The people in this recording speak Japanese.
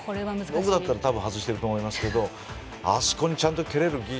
僕だったら外してると思いますけどあそこにちゃんと蹴れる技術。